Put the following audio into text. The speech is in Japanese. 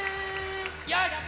よし！